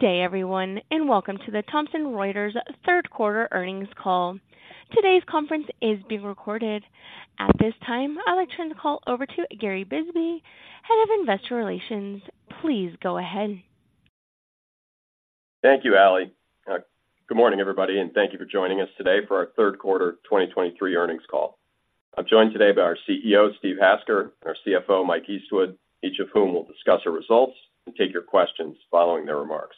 Good day, everyone, and welcome to the Thomson Reuters Third Quarter Earnings Call. Today's conference is being recorded. At this time, I'd like to turn the call over to Gary Bisbee, Head of Investor Relations. Please go ahead. Thank you, Ali. Good morning, everybody, and thank you for joining us today for our third quarter 2023 earnings call. I'm joined today by our CEO, Steve Hasker, and our CFO, Mike Eastwood, each of whom will discuss our results and take your questions following their remarks.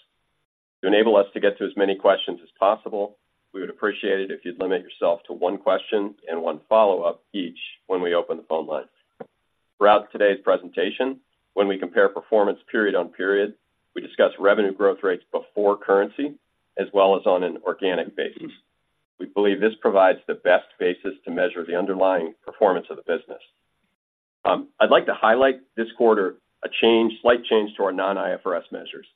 To enable us to get to as many questions as possible, we would appreciate it if you'd limit yourself to one question and one follow-up each when we open the phone lines. Throughout today's presentation, when we compare performance period-on-period, we discuss revenue growth rates before currency as well as on an organic basis. We believe this provides the best basis to measure the underlying performance of the business. I'd like to highlight this quarter, a slight change to our non-IFRS measures.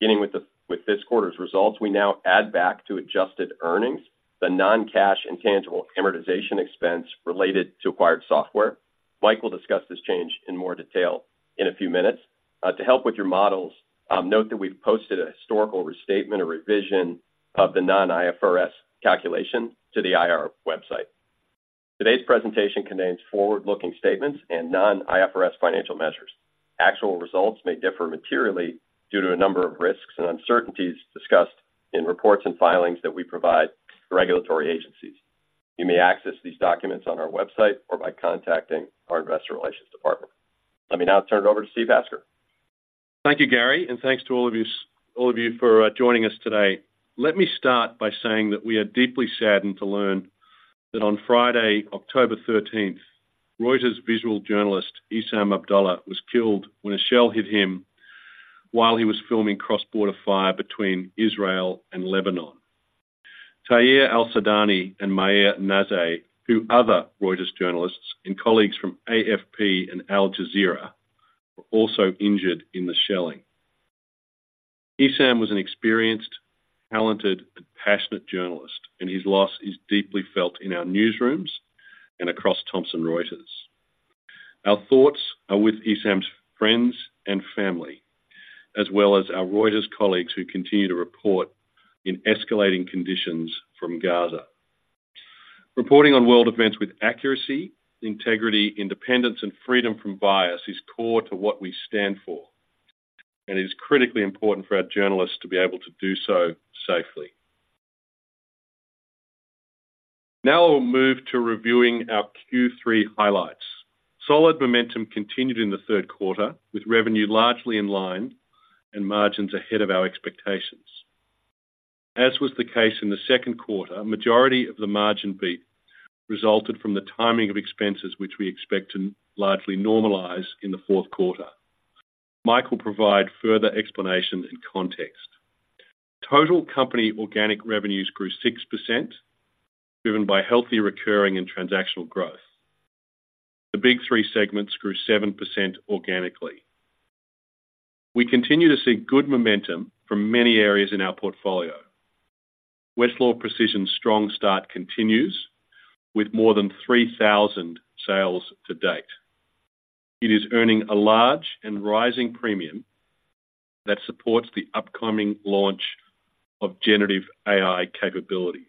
Beginning with this quarter's results, we now add back to adjusted earnings, the non-cash intangible amortization expense related to acquired software. Mike will discuss this change in more detail in a few minutes. To help with your models, note that we've posted a historical restatement, a revision of the non-IFRS calculation to the IR website. Today's presentation contains forward-looking statements and non-IFRS financial measures. Actual results may differ materially due to a number of risks and uncertainties discussed in reports and filings that we provide to regulatory agencies. You may access these documents on our website or by contacting our investor relations department. Let me now turn it over to Steve Hasker. Thank you, Gary, and thanks to all of you for joining us today. Let me start by saying that we are deeply saddened to learn that on Friday, October 13, Reuters Visual Journalist, Issam Abdallah, was killed when a shell hit him while he was filming cross-border fire between Israel and Lebanon. Thaer Al-Sudani and Maher Nazeh, two other Reuters journalists and colleagues from AFP and Al Jazeera, were also injured in the shelling. Issam was an experienced, talented, and passionate journalist, and his loss is deeply felt in our newsrooms and across Thomson Reuters. Our thoughts are with Issam's friends and family, as well as our Reuters colleagues, who continue to report in escalating conditions from Gaza. Reporting on world events with accuracy, integrity, independence, and freedom from bias is core to what we stand for, and it is critically important for our journalists to be able to do so safely. Now we'll move to reviewing our Q3 highlights. Solid momentum continued in the third quarter, with revenue largely in line and margins ahead of our expectations. As was the case in the second quarter, a majority of the margin beat resulted from the timing of expenses, which we expect to largely normalize in the fourth quarter. Mike will provide further explanation and context. Total company organic revenues grew 6%, driven by healthy, recurring, and transactional growth. The Big Three segments grew 7% organically. We continue to see good momentum from many areas in our portfolio. Westlaw Precision's strong start continues, with more than 3,000 sales to date. It is earning a large and rising premium that supports the upcoming launch of generative AI capabilities.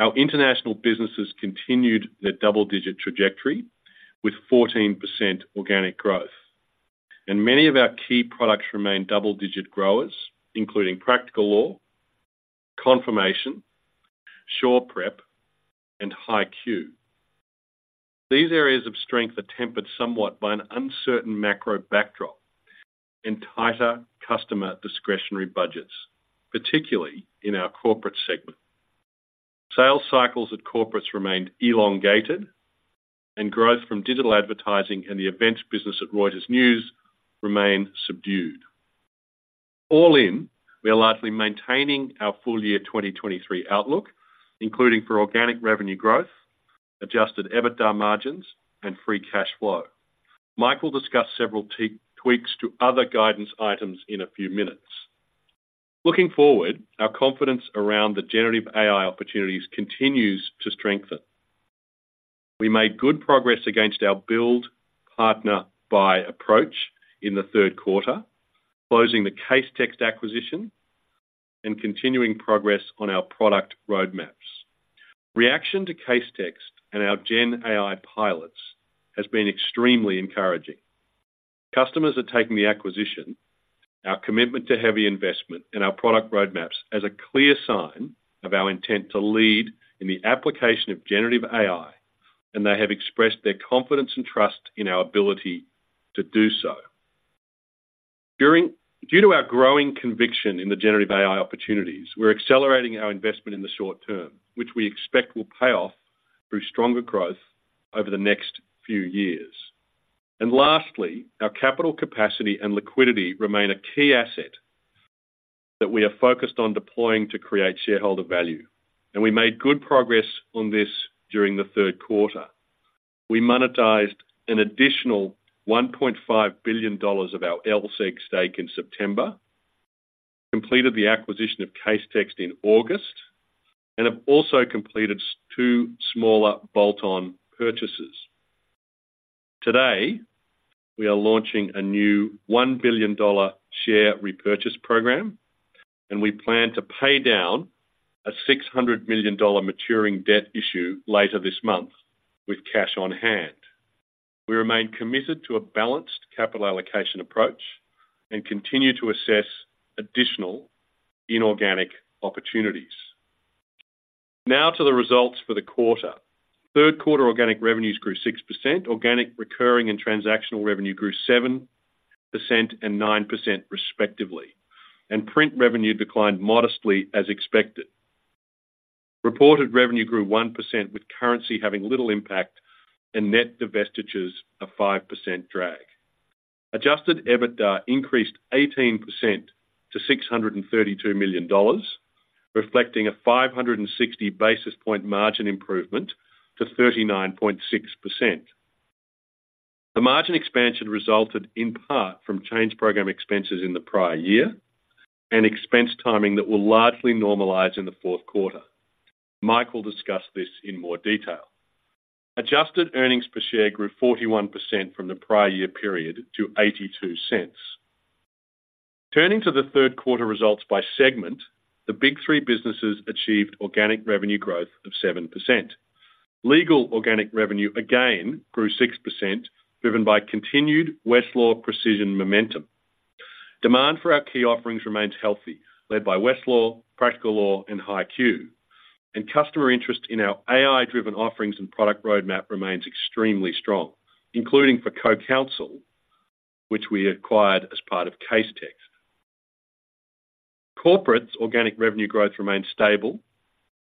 Our international businesses continued their double-digit trajectory with 14% organic growth, and many of our key products remain double-digit growers, including Practical Law, Confirmation, SurePrep, and HighQ. These areas of strength are tempered somewhat by an uncertain macro backdrop and tighter customer discretionary budgets, particularly in our corporate segment. Sales cycles at corporates remained elongated, and growth from digital advertising and the events business at Reuters News remained subdued. All in, we are largely maintaining our full year 2023 outlook, including for organic revenue growth, Adjusted EBITDA margins, and Free Cash Flow. Mike will discuss several tweaks to other guidance items in a few minutes. Looking forward, our confidence around the generative AI opportunities continues to strengthen. We made good progress against our build, partner, buy approach in the third quarter, closing the Casetext acquisition and continuing progress on our product roadmaps. Reaction to Casetext and our Gen AI pilots has been extremely encouraging. Customers are taking the acquisition, our commitment to heavy investment, and our product roadmaps as a clear sign of our intent to lead in the application of generative AI, and they have expressed their confidence and trust in our ability to do so. Due to our growing conviction in the generative AI opportunities, we're accelerating our investment in the short term, which we expect will pay off through stronger growth over the next few years. And lastly, our capital capacity and liquidity remain a key asset that we are focused on deploying to create shareholder value, and we made good progress on this during the third quarter. We monetized an additional $1.5 billion of our LSEG stake in September, completed the acquisition of Casetext in August, and have also completed two smaller bolt-on purchases. Today, we are launching a new $1 billion share repurchase program, and we plan to pay down a $600 million maturing debt issue later this month with cash on hand. We remain committed to a balanced capital allocation approach and continue to assess additional inorganic opportunities. Now to the results for the quarter. Third quarter organic revenues grew 6%. Organic, recurring, and transactional revenue grew 7% and 9%, respectively, and print revenue declined modestly as expected. Reported revenue grew 1%, with currency having little impact and net divestitures a 5% drag. Adjusted EBITDA increased 18% to $632 million, reflecting a 560 basis point margin improvement to 39.6%. The margin expansion resulted in part from Change Program expenses in the prior year and expense timing that will largely normalize in the fourth quarter. Mike will discuss this in more detail. Adjusted earnings per share grew 41% from the prior year period to $0.82. Turning to the third quarter results by segment, the Big Three businesses achieved organic revenue growth of 7%. Legal organic revenue again grew 6%, driven by continued Westlaw Precision momentum. Demand for our key offerings remains healthy, led by Westlaw, Practical Law, and HighQ, and customer interest in our AI-driven offerings and product roadmap remains extremely strong, including for CoCounsel, which we acquired as part of Casetext. Corporate's organic revenue growth remains stable,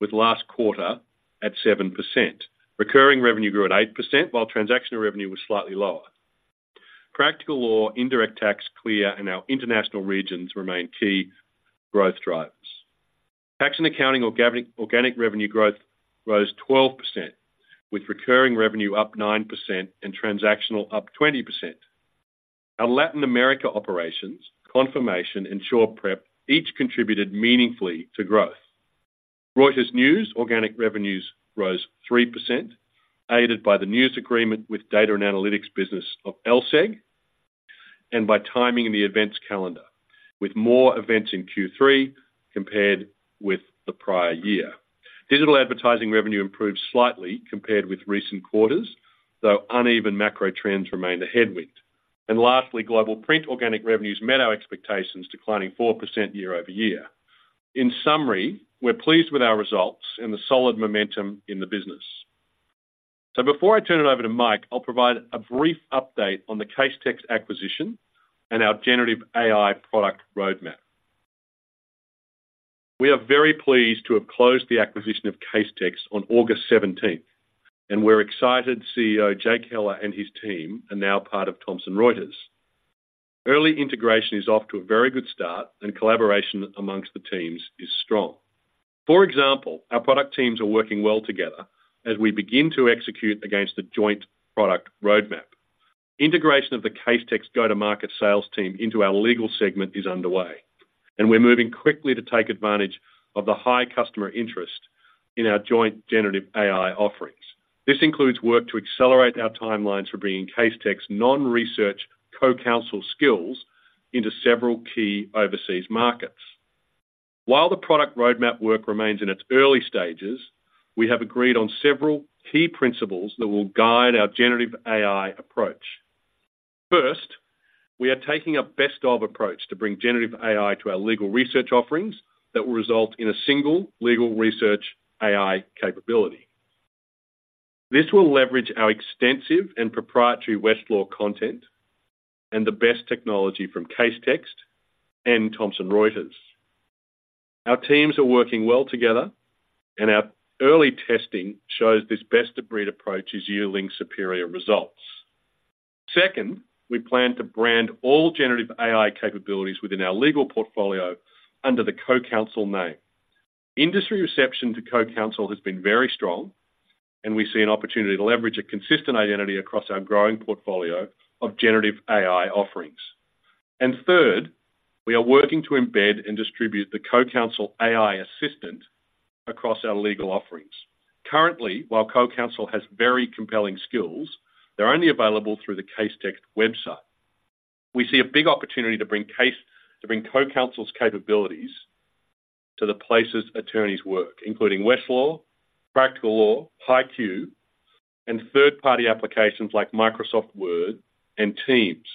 with last quarter at 7%. Recurring revenue grew at 8%, while transactional revenue was slightly lower. Practical Law, Indirect Tax, Clear, and our international regions remain key growth drivers. Tax and accounting organic revenue growth rose 12%, with recurring revenue up 9% and transactional up 20%. Our Latin America operations, Confirmation, and SurePrep each contributed meaningfully to growth. Reuters News organic revenues rose 3%, aided by the news agreement with Data & Analytics business of LSEG, and by timing in the events calendar, with more events in Q3 compared with the prior year. Digital advertising revenue improved slightly compared with recent quarters, though uneven macro trends remained a headwind. Lastly, global print organic revenues met our expectations, declining 4% year-over-year. In summary, we're pleased with our results and the solid momentum in the business. Before I turn it over to Mike, I'll provide a brief update on the Casetext acquisition and our generative AI product roadmap. We are very pleased to have closed the acquisition of Casetext on August 17, and we're excited CEO Jake Heller and his team are now part of Thomson Reuters. Early integration is off to a very good start, and collaboration amongst the teams is strong. For example, our product teams are working well together as we begin to execute against a joint product roadmap. Integration of the Casetext go-to-market sales team into our legal segment is underway, and we're moving quickly to take advantage of the high customer interest in our joint generative AI offerings. This includes work to accelerate our timelines for bringing Casetext non-research CoCounsel skills into several key overseas markets. While the product roadmap work remains in its early stages, we have agreed on several key principles that will guide our generative AI approach. First, we are taking a best-of approach to bring generative AI to our legal research offerings that will result in a single legal research AI capability. This will leverage our extensive and proprietary Westlaw content and the best technology from Casetext and Thomson Reuters. Our teams are working well together, and our early testing shows this best-of-breed approach is yielding superior results. Second, we plan to brand all generative AI capabilities within our legal portfolio under the CoCounsel name. Industry reception to CoCounsel has been very strong, and we see an opportunity to leverage a consistent identity across our growing portfolio of generative AI offerings. And third, we are working to embed and distribute the CoCounsel AI assistant across our legal offerings. Currently, while CoCounsel has very compelling skills, they are only available through the Casetext website. We see a big opportunity to bring CoCounsel's capabilities to the places attorneys work, including Westlaw, Practical Law, HighQ, and third-party applications like Microsoft Word and Teams.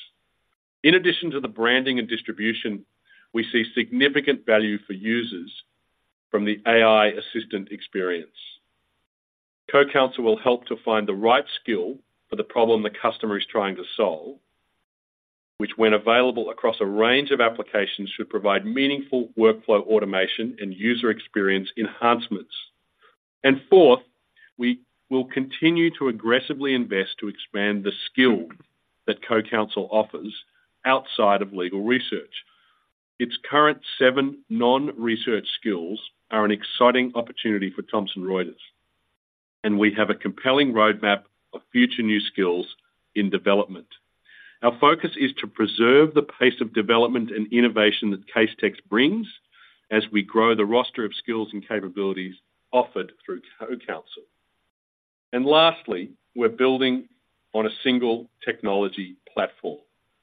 In addition to the branding and distribution, we see significant value for users from the AI assistant experience. CoCounsel will help to find the right skill for the problem the customer is trying to solve, which, when available across a range of applications, should provide meaningful workflow automation and user experience enhancements. And fourth, we will continue to aggressively invest to expand the skill that CoCounsel offers outside of legal research. Its current seven non-research skills are an exciting opportunity for Thomson Reuters, and we have a compelling roadmap of future new skills in development. Our focus is to preserve the pace of development and innovation that Casetext brings as we grow the roster of skills and capabilities offered through CoCounsel. And lastly, we're building on a single technology platform.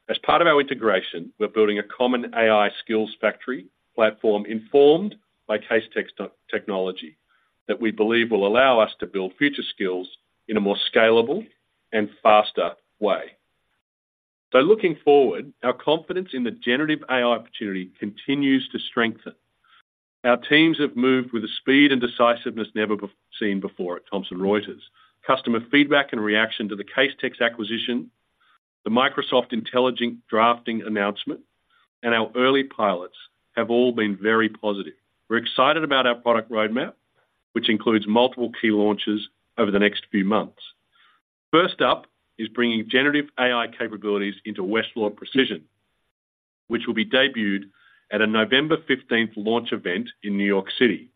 As part of our integration, we're building a common AI skills factory platform informed by Casetext technology, that we believe will allow us to build future skills in a more scalable and faster way. So looking forward, our confidence in the generative AI opportunity continues to strengthen. Our teams have moved with a speed and decisiveness never before seen at Thomson Reuters. Customer feedback and reaction to the Casetext acquisition, the Microsoft intelligent drafting announcement, and our early pilots have all been very positive. We're excited about our product roadmap, which includes multiple key launches over the next few months. First up is bringing generative AI capabilities into Westlaw Precision, which will be debuted at a November 15 launch event in New York City.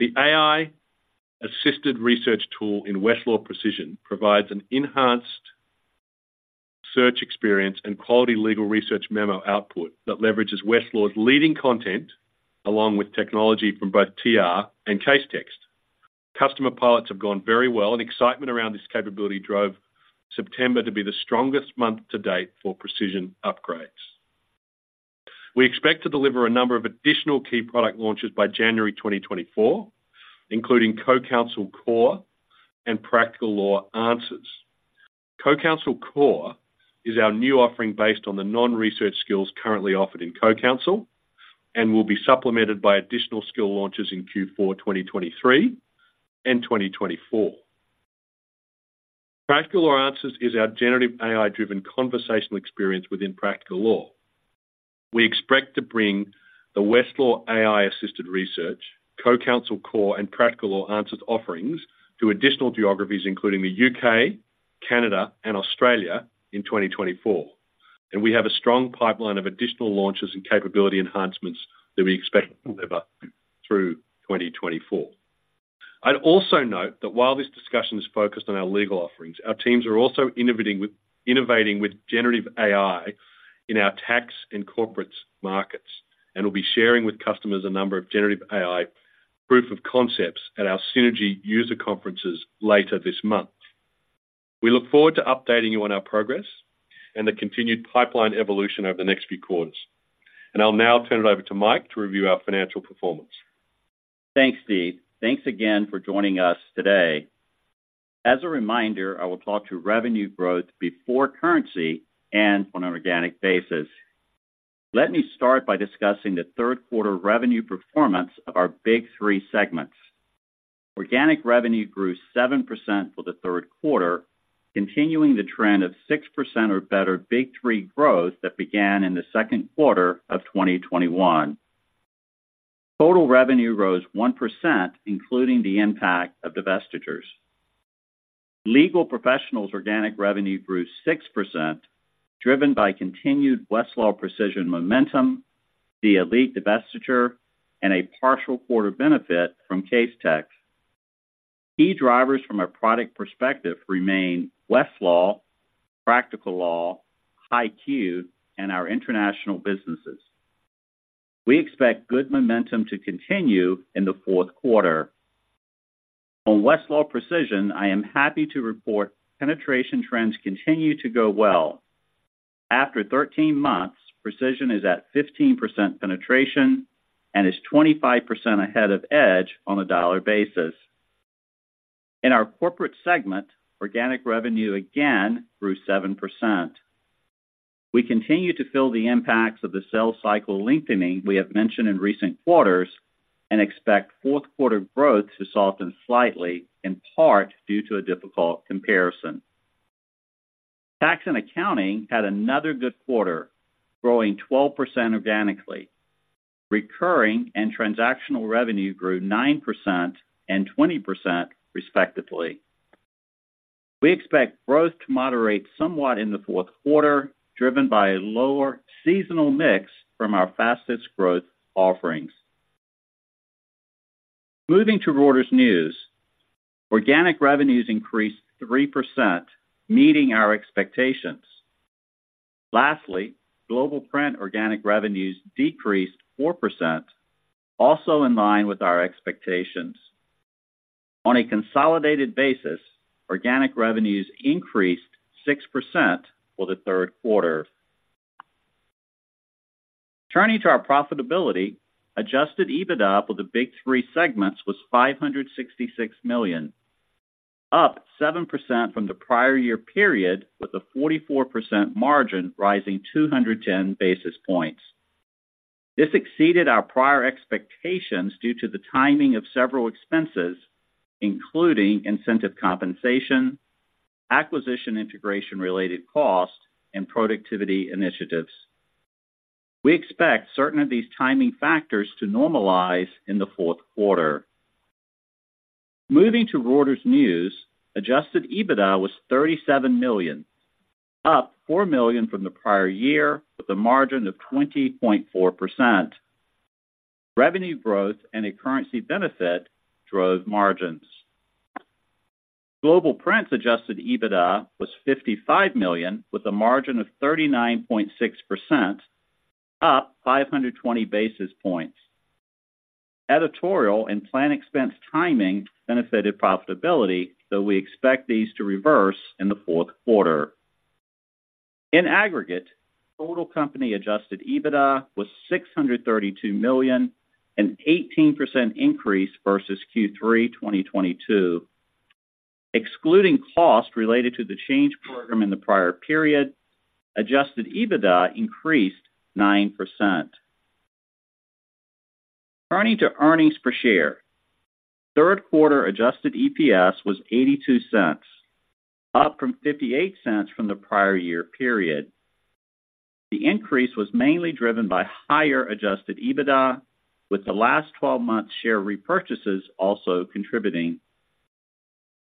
The AI-assisted research tool in Westlaw Precision provides an enhanced search experience and quality legal research memo output that leverages Westlaw's leading content, along with technology from both TR and Casetext. Customer pilots have gone very well, and excitement around this capability drove September to be the strongest month to date for precision upgrades. We expect to deliver a number of additional key product launches by January 2024, including CoCounsel Core and Practical Law Answers. CoCounsel Core is our new offering based on the non-research skills currently offered in CoCounsel and will be supplemented by additional skill launches in Q4 2023 and 2024. Practical Law Answers is our generative AI-driven conversational experience within Practical Law. We expect to bring the Westlaw AI-assisted research, CoCounsel Core, and Practical Law Answers offerings to additional geographies, including the U.K., Canada, and Australia in 2024, and we have a strong pipeline of additional launches and capability enhancements that we expect to deliver through 2024. I'd also note that while this discussion is focused on our legal offerings, our teams are also innovating with generative AI in our tax and corporates markets, and we'll be sharing with customers a number of generative AI proof of concepts at our Synergy user conferences later this month. We look forward to updating you on our progress and the continued pipeline evolution over the next few quarters. I'll now turn it over to Mike to review our financial performance. Thanks, Steve. Thanks again for joining us today. As a reminder, I will talk to revenue growth before currency and on an organic basis. Let me start by discussing the third quarter revenue performance of our Big Three segments. Organic revenue grew 7% for the third quarter, continuing the trend of 6% or better Big Three growth that began in the second quarter of 2021. Total revenue rose 1%, including the impact of divestitures. Legal Professionals’ organic revenue grew 6%, driven by continued Westlaw Precision momentum, the Elite divestiture, and a partial quarter benefit from Casetext. Key drivers from a product perspective remain Westlaw, Practical Law, HighQ, and our international businesses. We expect good momentum to continue in the fourth quarter. On Westlaw Precision, I am happy to report penetration trends continue to go well. After 13 months, Precision is at 15% penetration and is 25% ahead of Edge on a dollar basis. In our corporate segment, organic revenue again grew 7%. We continue to feel the impacts of the sales cycle lengthening we have mentioned in recent quarters, and expect fourth quarter growth to soften slightly, in part due to a difficult comparison. Tax and accounting had another good quarter, growing 12% organically. Recurring and transactional revenue grew 9% and 20%, respectively. We expect growth to moderate somewhat in the fourth quarter, driven by a lower seasonal mix from our fastest growth offerings. Moving to Reuters News, organic revenues increased 3%, meeting our expectations. Lastly, global print organic revenues decreased 4%, also in line with our expectations. On a consolidated basis, organic revenues increased 6% for the third quarter. Turning to our profitability, Adjusted EBITDA for the Big Three segments was $566 million, up 7% from the prior year period, with a 44% margin rising 210 basis points. This exceeded our prior expectations due to the timing of several expenses, including incentive compensation, acquisition, integration-related costs, and productivity initiatives. We expect certain of these timing factors to normalize in the fourth quarter. Moving to Reuters News, Adjusted EBITDA was $37 million, up $4 million from the prior year, with a margin of 20.4%.... Revenue growth and a currency benefit drove margins. Global Print Adjusted EBITDA was $55 million, with a margin of 39.6%, up 520 basis points. Editorial and planned expense timing benefited profitability, though we expect these to reverse in the fourth quarter. In aggregate, total company adjusted EBITDA was $632 million, an 18% increase versus Q3 2022. Excluding costs related to the Change Program in the prior period, adjusted EBITDA increased 9%. Turning to earnings per share. Third quarter adjusted EPS was $0.82, up from $0.58 from the prior year period. The increase was mainly driven by higher adjusted EBITDA, with the last twelve months share repurchases also contributing.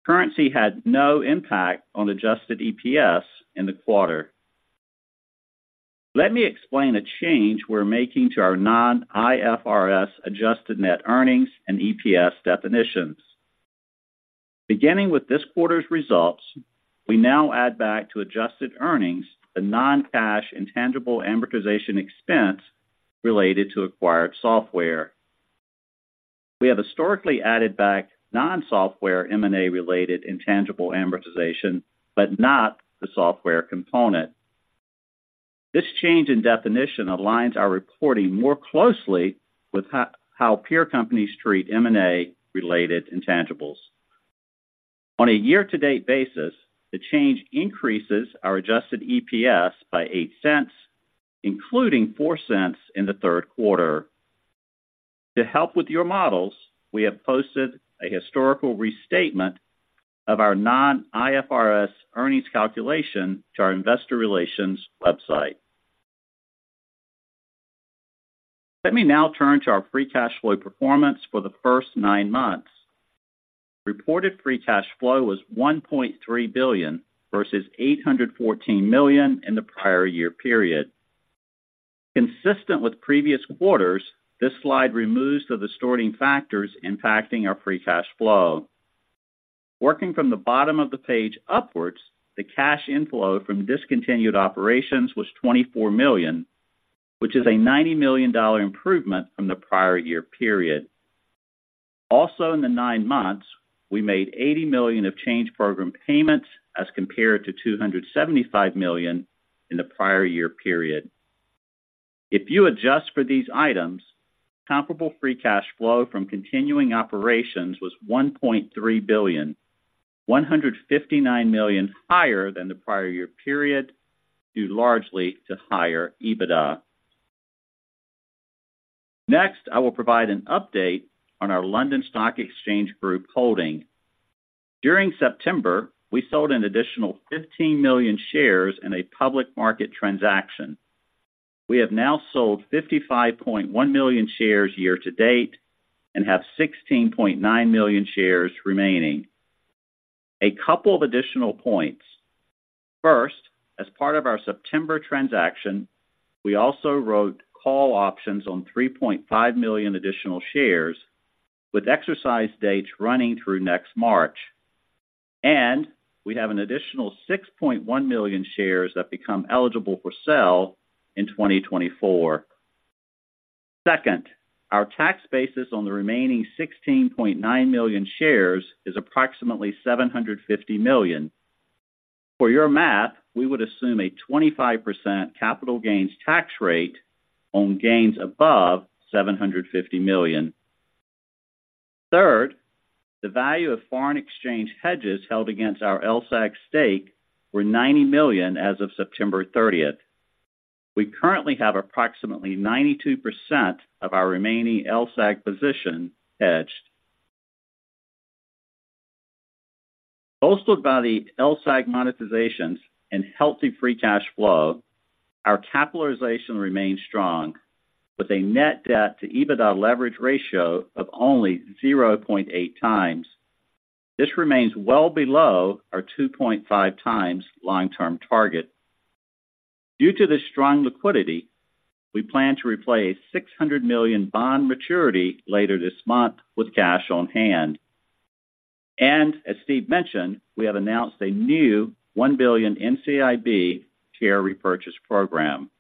Currency had no impact on adjusted EPS in the quarter. Let me explain a change we're making to our non-IFRS adjusted net earnings and EPS definitions. Beginning with this quarter's results, we now add back to adjusted earnings the non-cash intangible amortization expense related to acquired software. We have historically added back non-software M&A-related intangible amortization, but not the software component. This change in definition aligns our reporting more closely with how peer companies treat M&A-related intangibles. On a year-to-date basis, the change increases our adjusted EPS by $0.08, including $0.04 in the third quarter. To help with your models, we have posted a historical restatement of our non-IFRS earnings calculation to our investor relations website. Let me now turn to our free cash flow performance for the first nine months. Reported free cash flow was $1.3 billion versus $814 million in the prior year period. Consistent with previous quarters, this slide removes the distorting factors impacting our free cash flow. Working from the bottom of the page upwards, the cash inflow from discontinued operations was $24 million, which is a $90 million improvement from the prior year period. Also, in the nine months, we made $80 million of Change Program payments, as compared to $275 million in the prior year period. If you adjust for these items, comparable Free Cash Flow from continuing operations was $1.3 billion, $159 million higher than the prior year period, due largely to higher EBITDA. Next, I will provide an update on our London Stock Exchange Group holding. During September, we sold an additional 15 million shares in a public market transaction. We have now sold 55.1 million shares year to date and have 16.9 million shares remaining. A couple of additional points. First, as part of our September transaction, we also wrote call options on 3.5 million additional shares, with exercise dates running through next March. We have an additional 6.1 million shares that become eligible for sale in 2024. Second, our tax basis on the remaining 16.9 million shares is approximately $750 million. For your math, we would assume a 25% capital gains tax rate on gains above $750 million. Third, the value of foreign exchange hedges held against our LSEG stake were $90 million as of September 30th. We currently have approximately 92% of our remaining LSEG position hedged. Boosted by the LSEG monetizations and healthy free cash flow, our capitalization remains strong, with a net debt to EBITDA leverage ratio of only 0.8x. This remains well below our 2.5x long-term target. Due to this strong liquidity, we plan to replace $600 million bond maturity later this month with cash on hand. As Steve mentioned, we have announced a new $1 billion NCIB share repurchase program.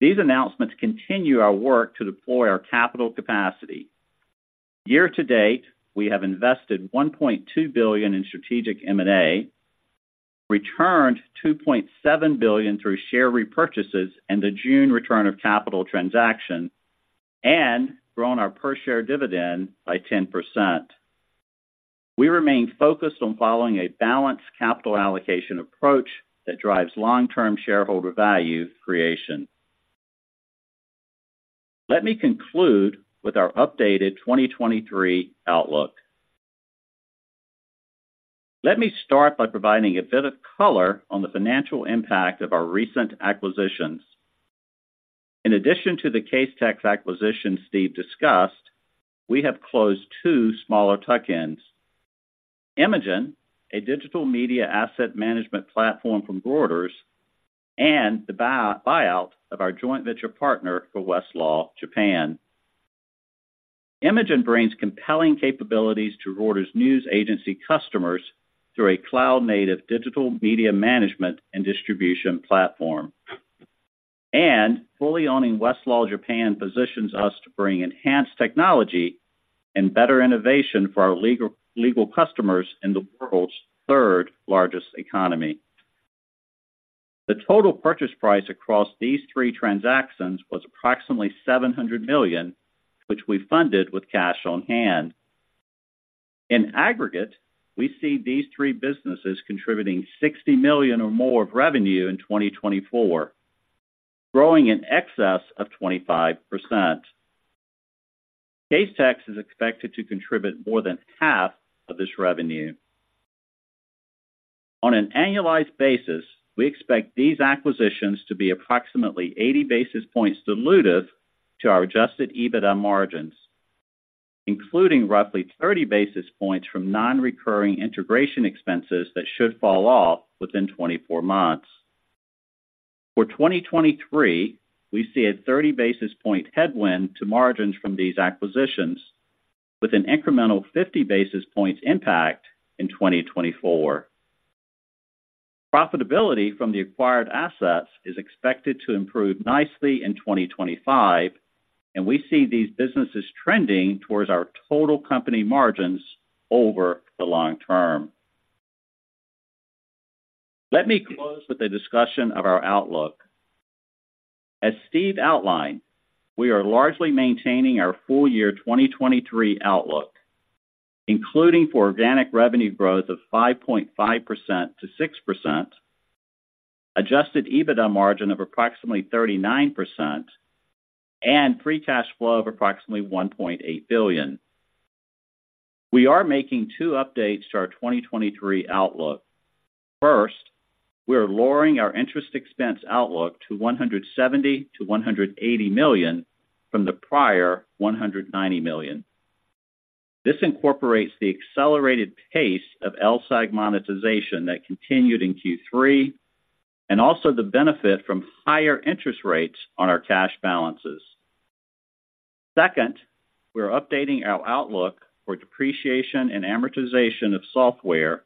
These announcements continue our work to deploy our capital capacity. Year to date, we have invested $1.2 billion in strategic M&A, returned $2.7 billion through share repurchases and the June return of capital transaction, and grown our per share dividend by 10%. We remain focused on following a balanced capital allocation approach that drives long-term shareholder value creation. Let me conclude with our updated 2023 outlook. Let me start by providing a bit of color on the financial impact of our recent acquisitions. In addition to the Casetext acquisition Steve discussed, we have closed two smaller tuck-ins: Imagen, a digital media asset management platform from Reuters, and the buyout of our joint venture partner for Westlaw Japan. Imagen brings compelling capabilities to Reuters News Agency customers through a cloud-native digital media management and distribution platform. Fully owning Westlaw Japan positions us to bring enhanced technology and better innovation for our legal customers in the world's third-largest economy. The total purchase price across these three transactions was approximately $700 million, which we funded with cash on hand. In aggregate, we see these three businesses contributing $60 million or more of revenue in 2024, growing in excess of 25%. Casetext is expected to contribute more than half of this revenue. On an annualized basis, we expect these acquisitions to be approximately 80 basis points dilutive to our adjusted EBITDA margins, including roughly 30 basis points from non-recurring integration expenses that should fall off within 24 months. For 2023, we see a 30 basis point headwind to margins from these acquisitions, with an incremental 50 basis points impact in 2024. Profitability from the acquired assets is expected to improve nicely in 2025, and we see these businesses trending towards our total company margins over the long term. Let me close with a discussion of our outlook. As Steve outlined, we are largely maintaining our full-year 2023 outlook, including for organic revenue growth of 5.5%–6%, Adjusted EBITDA margin of approximately 39%, and free cash flow of approximately $1.8 billion. We are making two updates to our 2023 outlook. First, we are lowering our interest expense outlook to $170 million-$180 million from the prior $190 million. This incorporates the accelerated pace of LSEG monetization that continued in Q3, and also the benefit from higher interest rates on our cash balances. Second, we are updating our outlook for depreciation and amortization of software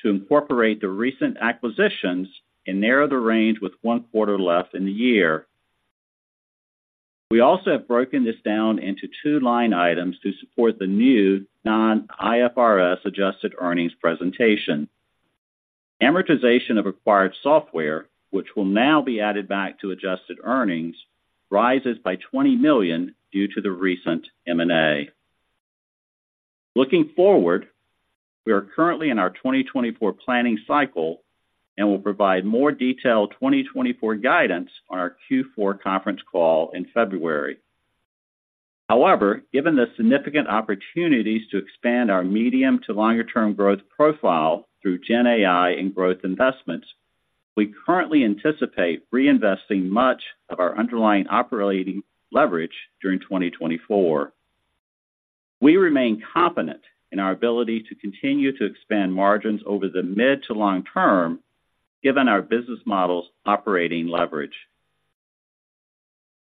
to incorporate the recent acquisitions and narrow the range with one quarter left in the year. We also have broken this down into two line items to support the new non-IFRS adjusted earnings presentation. Amortization of acquired software, which will now be added back to adjusted earnings, rises by $20 million due to the recent M&A. Looking forward, we are currently in our 2024 planning cycle and will provide more detailed 2024 guidance on our Q4 conference call in February. However, given the significant opportunities to expand our medium- to longer-term growth profile through Gen AI and growth investments, we currently anticipate reinvesting much of our underlying operating leverage during 2024. We remain confident in our ability to continue to expand margins over the mid- to long-term, given our business model's operating leverage.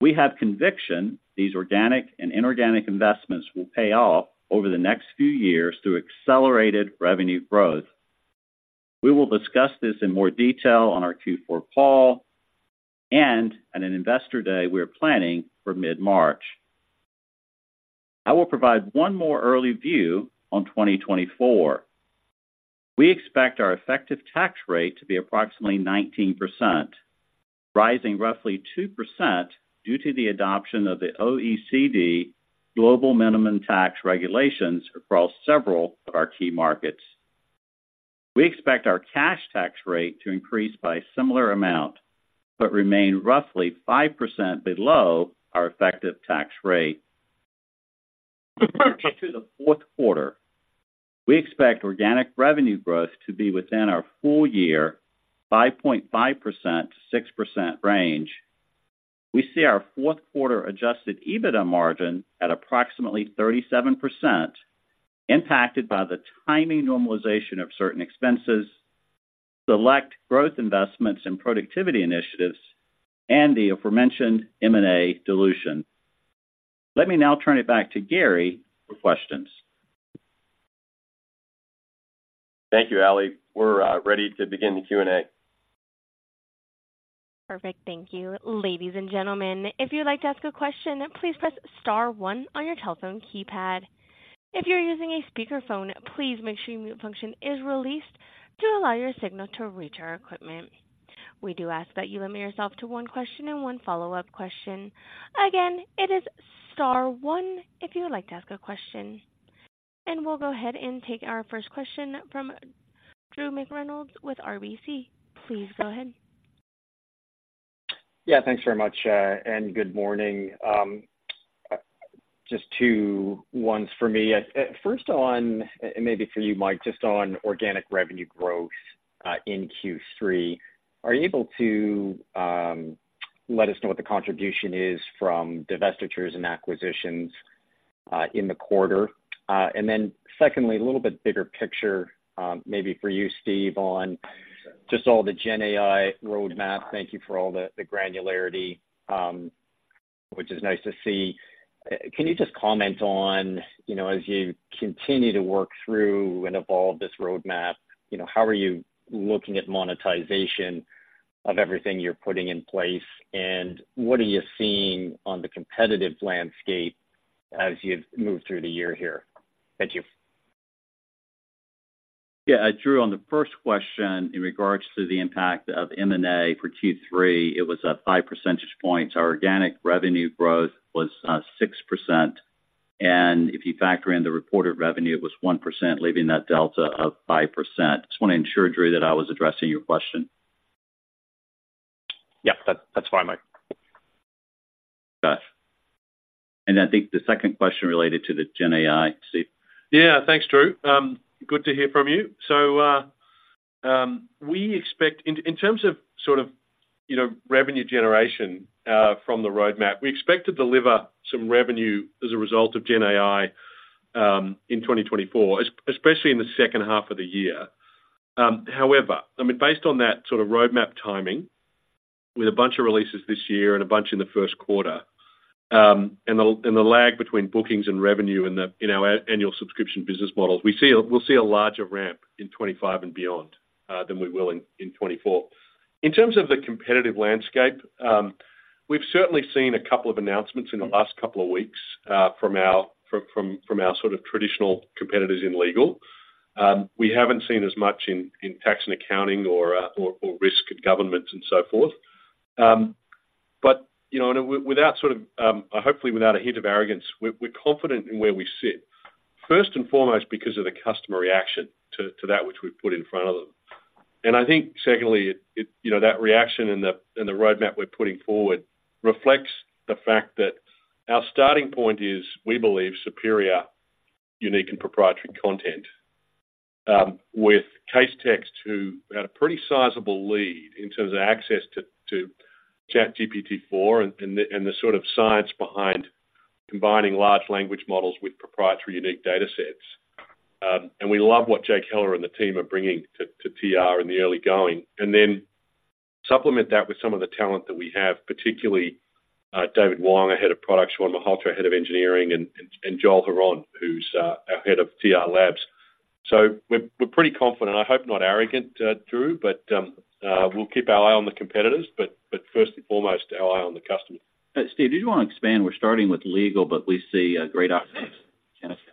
We have conviction these organic and inorganic investments will pay off over the next few years through accelerated revenue growth. We will discuss this in more detail on our Q4 call and at an Investor Day we are planning for mid-March. I will provide one more early view on 2024. We expect our effective tax rate to be approximately 19%, rising roughly 2% due to the adoption of the OECD global minimum tax regulations across several of our key markets. We expect our cash tax rate to increase by a similar amount, but remain roughly 5% below our effective tax rate. To the fourth quarter, we expect organic revenue growth to be within our full year, 5.5%–6% range. We see our fourth quarter adjusted EBITDA margin at approximately 37%, impacted by the timing normalization of certain expenses, select growth investments and productivity initiatives, and the aforementioned M&A dilution. Let me now turn it back to Gary for questions. Thank you, Ali. We're ready to begin the Q&A. Perfect. Thank you. Ladies and gentlemen, if you'd like to ask a question, please press star one on your telephone keypad. If you're using a speakerphone, please make sure your mute function is released to allow your signal to reach our equipment. We do ask that you limit yourself to one question and one follow-up question. Again, it is star one if you would like to ask a question. We'll go ahead and take our first question from Drew McReynolds with RBC. Please go ahead. Yeah, thanks very much, and good morning. Just two ones for me. First on, and maybe for you, Mike, just on organic revenue growth, in Q3, are you able to let us know what the contribution is from divestitures and acquisitions, in the quarter. And then secondly, a little bit bigger picture, maybe for you, Steve, on just all the Gen AI roadmap. Thank you for all the, the granularity, which is nice to see. Can you just comment on, you know, as you continue to work through and evolve this roadmap, you know, how are you looking at monetization of everything you're putting in place? And what are you seeing on the competitive landscape as you've moved through the year here? Thank you. Yeah, Drew, on the first question, in regards to the impact of M&A for Q3, it was up 5 percentage points. Our organic revenue growth was 6%, and if you factor in the reported revenue, it was 1%, leaving that delta of 5%. Just want to ensure, Drew, that I was addressing your question. Yeah, that, that's fine, mate. Got it. And I think the second question related to the Gen AI, Steve. Yeah, thanks, Drew. Good to hear from you. So, we expect in terms of sort of, you know, revenue generation, from the roadmap, we expect to deliver some revenue as a result of Gen AI, in 2024, especially in the second half of the year. However, I mean, based on that sort of roadmap timing, with a bunch of releases this year and a bunch in the first quarter, and the lag between bookings and revenue in our annual subscription business models, we'll see a larger ramp in 2025 and beyond, than we will in 2024. In terms of the competitive landscape, we've certainly seen a couple of announcements in the last couple of weeks, from our sort of traditional competitors in legal. We haven't seen as much in tax and accounting or risk and government and so forth. But you know, and without sort of hopefully without a hint of arrogance, we're confident in where we sit. First and foremost, because of the customer reaction to that which we've put in front of them. And I think secondly, you know, that reaction and the roadmap we're putting forward reflects the fact that our starting point is, we believe, superior, unique and proprietary content, with Casetext who had a pretty sizable lead in terms of access to ChatGPT-4 and the sort of science behind combining large language models with proprietary, unique datasets. And we love what Jake Heller and the team are bringing to TR in the early going. Then supplement that with some of the talent that we have, particularly, David Wong, our head of product, Shawn Malhotra, head of engineering, and Joel Hron, who's our head of TR Labs. So we're pretty confident, and I hope not arrogant, Drew, but we'll keep our eye on the competitors, but first and foremost, our eye on the customer. Steve, did you want to expand? We're starting with legal, but we see great outcomes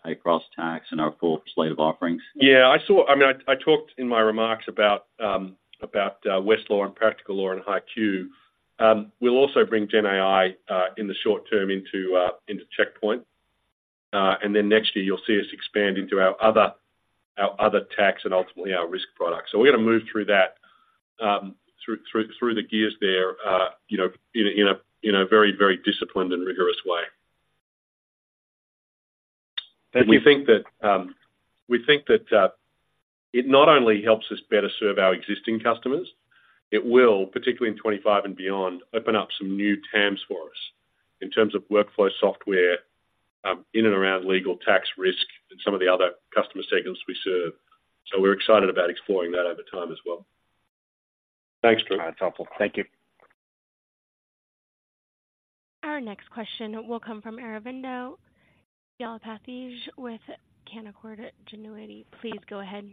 across tax and our full slate of offerings. Yeah, I saw... I mean, I talked in my remarks about Westlaw and Practical Law and HighQ. We'll also bring Gen AI in the short term into Checkpoint. And then next year you'll see us expand into our other tax and ultimately our risk products. So we're going to move through that through the gears there, you know, in a very disciplined and rigorous way. Thank you. We think that, we think that, it not only helps us better serve our existing customers, it will, particularly in 25 and beyond, open up some new TAMs for us in terms of workflow software, in and around legal tax risk and some of the other customer segments we serve. So we're excited about exploring that over time as well. Thanks, Drew. That's helpful. Thank you. Our next question will come from Aravinda Galappatthige with Canaccord Genuity. Please go ahead.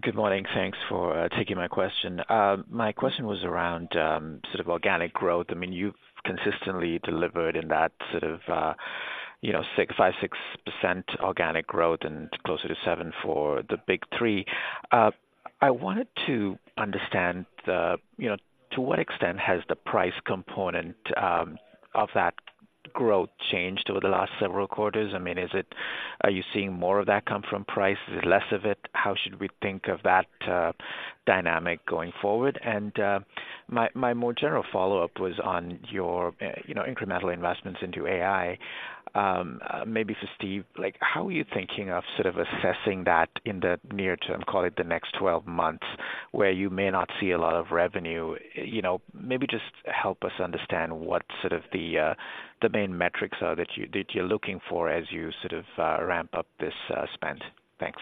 Good morning. Thanks for taking my question. My question was around sort of organic growth. I mean, you've consistently delivered in that sort of you know, 6%, 5%, 6% organic growth and closer to 7% for the Big Three. I wanted to understand the you know, to what extent has the price component of that growth changed over the last several quarters? I mean, is it, are you seeing more of that come from price? Is it less of it? How should we think of that dynamic going forward? And my more general follow-up was on your you know, incremental investments into AI. Maybe for Steve, like, how are you thinking of sort of assessing that in the near term, call it the next 12 months, where you may not see a lot of revenue? You know, maybe just help us understand what sort of the main metrics are that you, that you're looking for as you sort of, ramp up this, spend. Thanks.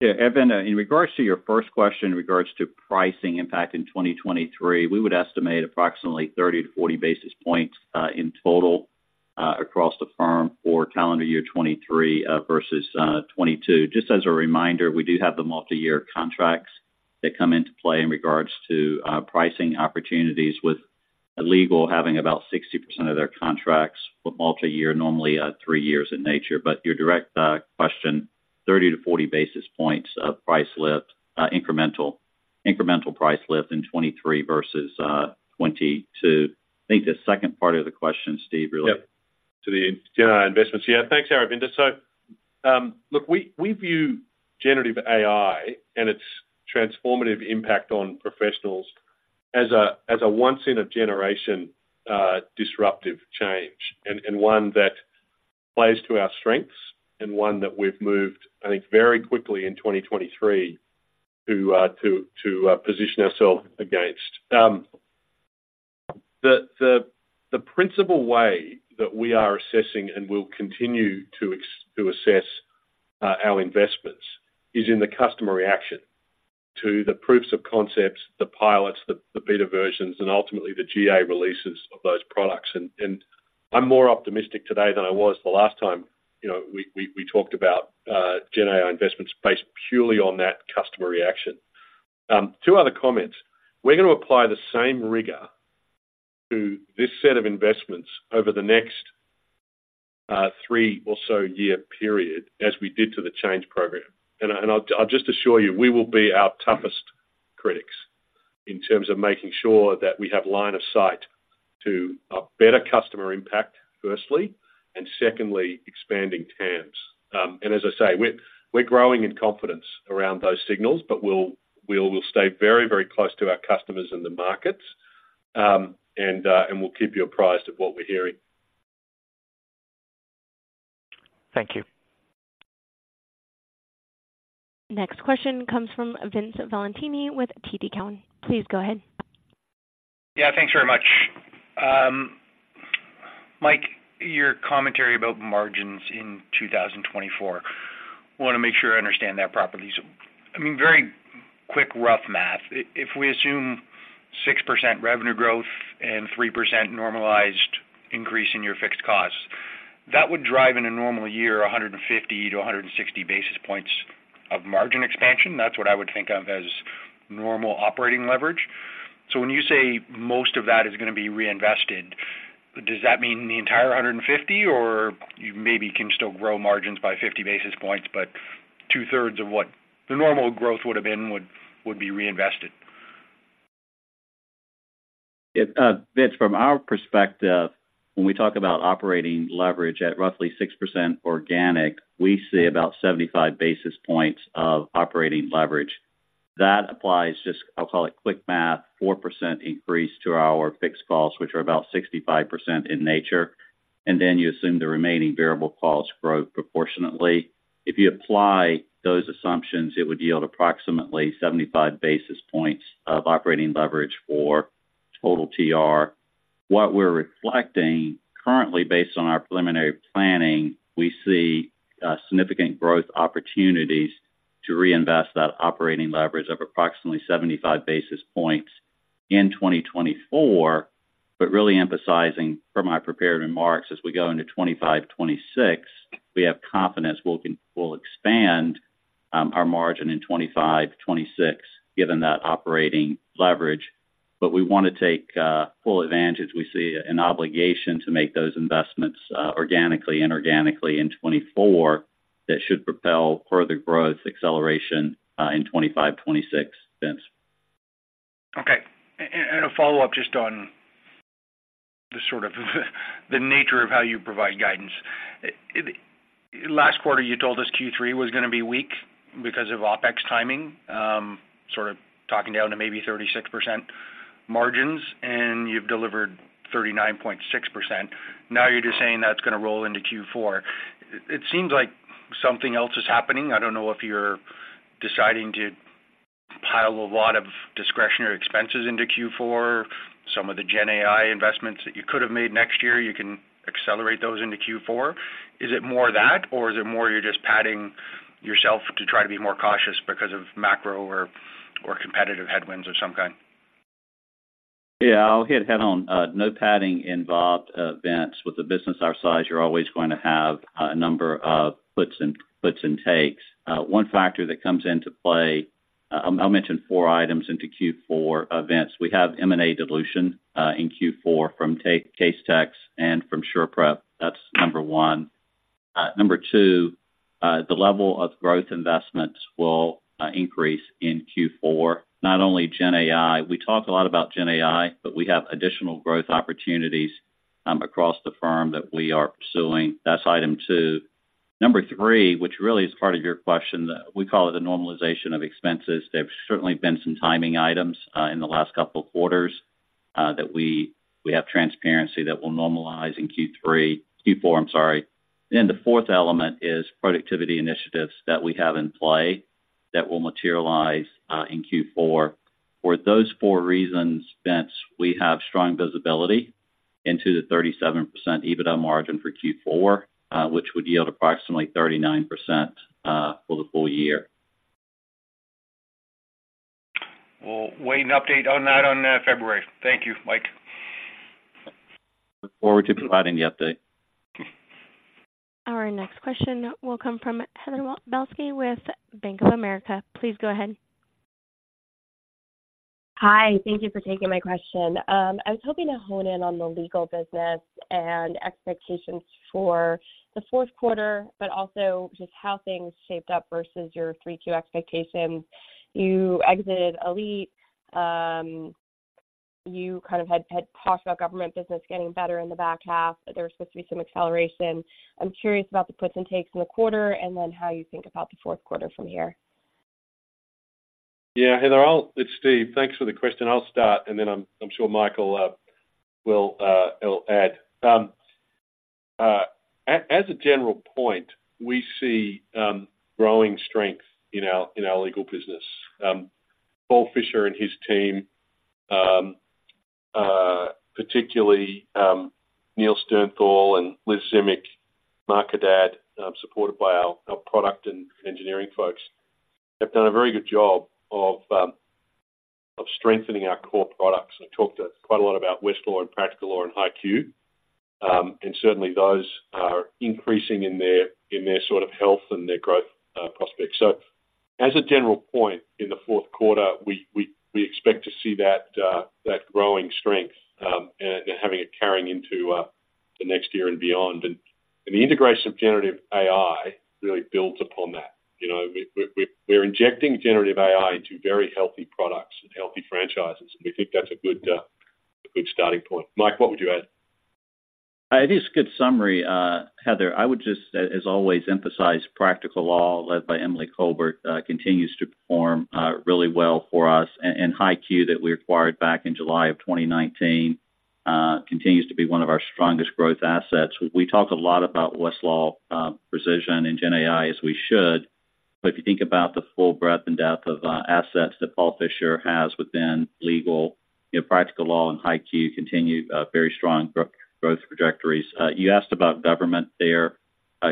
Yeah, Aravinda, in regards to your first question, in regards to pricing impact in 2023, we would estimate approximately 30–40 basis points, in total, across the firm for calendar year 2023, versus, 2022. Just as a reminder, we do have the multiyear contracts that come into play in regards to, pricing opportunities with legal having about 60% of their contracts with multi-year, normally, 3 years in nature. But your direct, question, 30–40 basis points of price lift, incremental, incremental price lift in 2023 versus, 2022. I think the second part of the question, Steve, related- Yep, to the Gen AI investments. Yeah. Thanks, Aravinda. So, look, we view generative AI and its transformative impact on professionals as a once-in-a-generation disruptive change, and one that plays to our strengths and one that we've moved, I think, very quickly in 2023 to position ourselves against. The principal way that we are assessing and will continue to assess our investments is in the customer reaction to the proofs of concepts, the pilots, the beta versions, and ultimately the GA releases of those products. And I'm more optimistic today than I was the last time, you know, we talked about Gen AI investments based purely on that customer reaction. Two other comments. We're going to apply the same rigor to this set of investments over the next three or so year period as we did to the Change Program. And I'll just assure you, we will be our toughest critics in terms of making sure that we have line of sight to a better customer impact, firstly, and secondly, expanding TAMs. And as I say, we're growing in confidence around those signals, but we'll stay very, very close to our customers in the markets, and we'll keep you apprised of what we're hearing. Thank you. Next question comes from Vince Valentini with TD Cowen. Please go ahead. Yeah, thanks very much. Mike, your commentary about margins in 2024, want to make sure I understand that properly. So, I mean, very quick, rough math. If we assume 6% revenue growth and 3% normalized increase in your fixed costs, that would drive in a normal year, 150–160 basis points of margin expansion. That's what I would think of as normal operating leverage. So when you say most of that is going to be reinvested, does that mean the entire 150, or you maybe can still grow margins by 50 basis points, but two-thirds of what the normal growth would have been, would be reinvested? Vince, from our perspective, when we talk about operating leverage at roughly 6% organic, we see about 75 basis points of operating leverage. That applies just, I'll call it quick math, 4% increase to our fixed costs, which are about 65% in nature, and then you assume the remaining variable costs grow proportionately. If you apply those assumptions, it would yield approximately 75 basis points of operating leverage for total TR. What we're reflecting currently based on our preliminary planning, we see significant growth opportunities to reinvest that operating leverage of approximately 75 basis points in 2024, but really emphasizing from my prepared remarks as we go into 2025, 2026, we have confidence we'll expand our margin in 2025, 2026, given that operating leverage. But we want to take full advantage. We see an obligation to make those investments, organically and inorganically in 2024, that should propel further growth, acceleration, in 2025, 2026, Vince. Okay. And a follow-up just on the sort of the nature of how you provide guidance. Last quarter, you told us Q3 was going to be weak because of OpEx timing, sort of talking down to maybe 36% margins, and you've delivered 39.6%. Now you're just saying that's going to roll into Q4. It seems like something else is happening. I don't know if you're deciding to pile a lot of discretionary expenses into Q4, some of the Gen AI investments that you could have made next year, you can accelerate those into Q4. Is it more that, or is it more you're just padding yourself to try to be more cautious because of macro or competitive headwinds of some kind? Yeah, I'll hit head-on. No padding involved, Vince. With a business our size, you're always going to have a number of puts and takes. One factor that comes into play. I'll mention four items into Q4, Vince. We have M&A dilution in Q4 from Casetext and from SurePrep. That's number one. Number two, the level of growth investments will increase in Q4. Not only Gen AI, we talk a lot about Gen AI, but we have additional growth opportunities across the firm that we are pursuing. That's item two. Number three, which really is part of your question, we call it the normalization of expenses. There have certainly been some timing items in the last couple of quarters that we have transparency that will normalize in Q3–Q4, I'm sorry. The fourth element is productivity initiatives that we have in play that will materialize in Q4. For those four reasons, Vince, we have strong visibility into the 37% EBITDA margin for Q4, which would yield approximately 39% for the full year. We'll wait an update on that on February. Thank you, Mike. Look forward to providing the update. Our next question will come from Heather Balsky with Bank of America. Please go ahead. Hi, thank you for taking my question. I was hoping to hone in on the legal business and expectations for the fourth quarter, but also just how things shaped up versus your Q3 expectations. You exited Elite. You kind of had talked about government business getting better in the back half. There was supposed to be some acceleration. I'm curious about the puts and takes in the quarter, and then how you think about the fourth quarter from here? Yeah, Heather, it's Steve. Thanks for the question. I'll start, and then I'm sure Michael will add. As a general point, we see growing strength in our legal business. Paul Fischer and his team, particularly Neil Sternthal and Liz Dzmic, Mark Haddad, supported by our product and engineering folks, have done a very good job of strengthening our core products. I talked quite a lot about Westlaw and Practical Law and HighQ, and certainly those are increasing in their sort of health and their growth prospects. So as a general point, in the fourth quarter, we expect to see that growing strength, and having it carrying into the next year and beyond. The integration of generative AI really builds upon that. You know, we are injecting generative AI into very healthy products and healthy franchises, and we think that's a good starting point. Mike, what would you add? It is a good summary, Heather. I would just, as always, emphasize Practical Law, led by Emily Colbert, continues to perform really well for us, and, and HighQ, that we acquired back in July 2019, continues to be one of our strongest growth assets. We talked a lot about Westlaw Precision, and Gen AI, as we should, but if you think about the full breadth and depth of assets that Paul Fischer has within legal, you know, Practical Law and HighQ continue very strong growth trajectories. You asked about government there,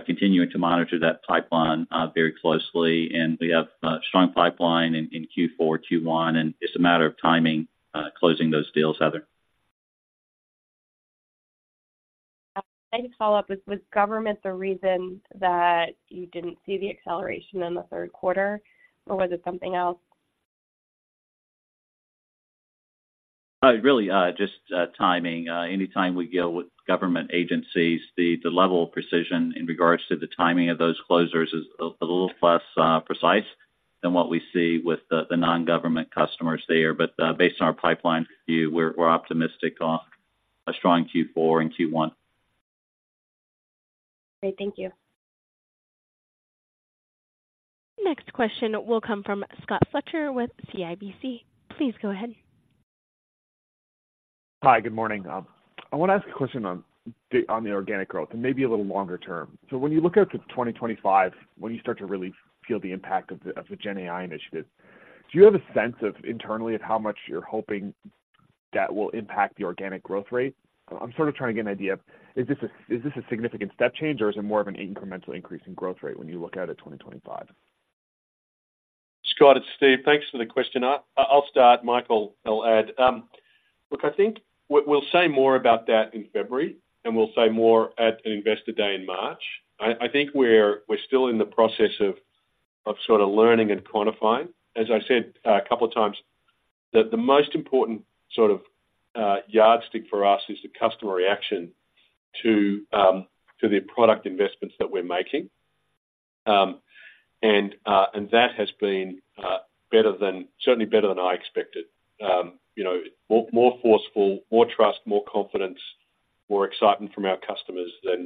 continuing to monitor that pipeline very closely, and we have a strong pipeline in Q4, Q1, and it's a matter of timing closing those deals, Heather. I just follow up, was government the reason that you didn't see the acceleration in the third quarter, or was it something else? Really, just timing. Anytime we deal with government agencies, the level of precision in regards to the timing of those closures is a little less precise than what we see with the non-government customers there. But based on our pipeline view, we're optimistic of a strong Q4 and Q1. Great. Thank you. Next question will come from Scott Fletcher with CIBC. Please go ahead. Hi, good morning. I wanna ask a question on the, on the organic growth and maybe a little longer term. So when you look out to 2025, when you start to really feel the impact of the, of the Gen AI initiative, do you have a sense of internally of how much you're hoping that will impact the organic growth rate? I'm sort of trying to get an idea of, is this a, is this a significant step change, or is it more of an incremental increase in growth rate when you look out at 2025? Scott, it's Steve. Thanks for the question. I'll start, Michael will add. Look, I think we'll say more about that in February, and we'll say more at an Investor Day in March. I think we're still in the process of sorta learning and quantifying. As I said a couple of times, the most important sort of yardstick for us is the customer reaction to the product investments that we're making. And that has been better than certainly better than I expected. You know, more forceful, more trust, more confidence, more excitement from our customers than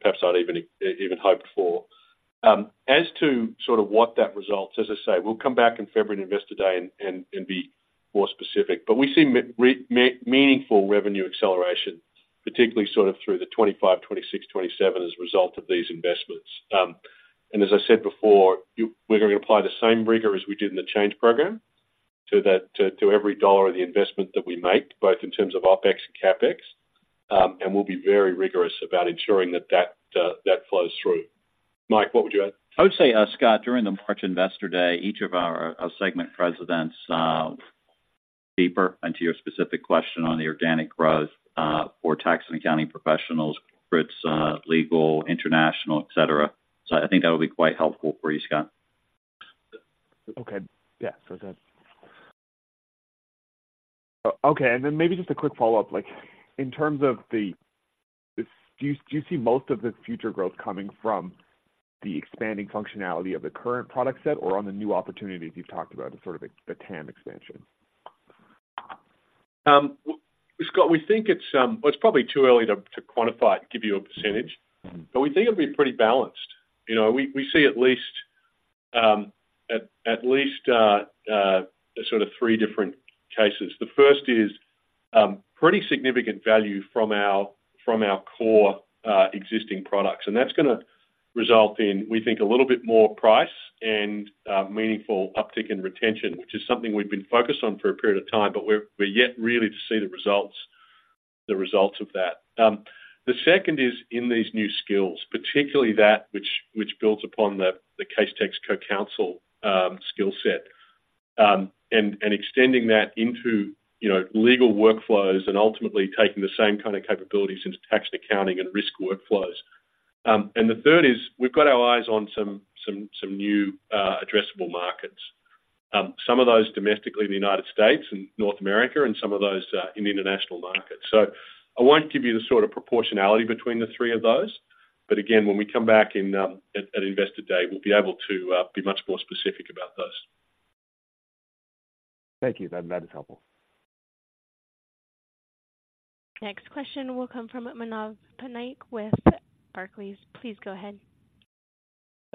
perhaps I'd even hoped for. As to sort of what that results, as I say, we'll come back in February Investor Day and be more specific. But we see meaningful revenue acceleration, particularly sort of through 2025, 2026, 2027 as a result of these investments. And as I said before, you-- we're gonna apply the same rigor as we did in the Change Program to that, to every dollar of the investment that we make, both in terms of OpEx and CapEx, and we'll be very rigorous about ensuring that that flows through. Mike, what would you add? I would say, Scott, during the March Investor Day, each of our segment presidents deeper into your specific question on the organic growth for tax and accounting professionals, whether it's legal, international, et cetera. So I think that would be quite helpful for you, Scott. Okay. Yeah, so then... Okay, and then maybe just a quick follow-up. Like, in terms of the, do you, do you see most of the future growth coming from the expanding functionality of the current product set or on the new opportunities you've talked about as sort of a TAM expansion? Scott, we think it's. Well, it's probably too early to quantify it and give you a percentage- Mm-hmm. - but we think it'll be pretty balanced. You know, we see at least sort of three different cases. The first is pretty significant value from our core existing products, and that's gonna result in, we think, a little bit more price and meaningful uptick in retention, which is something we've been focused on for a period of time, but we're yet really to see the results of that. The second is in these new skills, particularly that which builds upon the Casetext CoCounsel skill set, and extending that into, you know, legal workflows and ultimately taking the same kind of capabilities into tax, accounting and risk workflows. And the third is, we've got our eyes on some new addressable markets. Some of those domestically in the United States and North America, and some of those in international markets. I won't give you the sort of proportionality between the three of those, but again, when we come back in at Investor Day, we'll be able to be much more specific about those. Thank you. That is helpful.... Next question will come from Manav Patnaik with Barclays. Please go ahead.